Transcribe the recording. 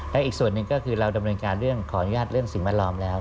และอีกส่วนหนึ่งก็คือเราดำเนินการเรื่องขออนุญาตเรื่องสิ่งแวดล้อมแล้ว